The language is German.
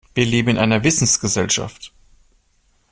Wir leben in einer Wissensgesellschaft.